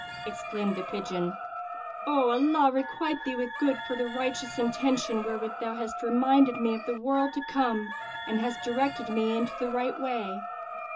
Exclaimed the pigeon, "Allah requite thee with good for the righteous intention wherewith thou hast reminded me of the world to come and hast directed me into the right way!"